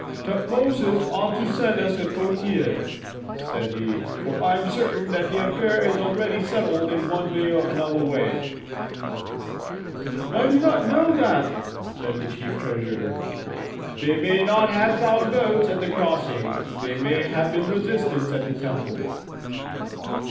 "Tutmosis ought to send us a courier," said he. "For I am certain that the affair is already settled in one or another way." "I do not know that," said the chief treasurer. "They may not have found boats at the crossing. There may have been resistance at the temple."